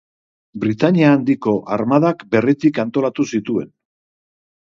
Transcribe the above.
Britainia Handiko armadak berritik antolatu zituen.